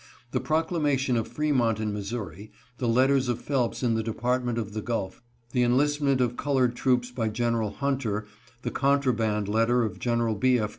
The proclamation of Fremont in Missouri, the letter of Phelps in the Department of the Gulf, the enlistment of 438 THE DEMOCRATIC PARTY. colored troops by Gen. Hunter, the " Contraband " letter of Gen. B. F.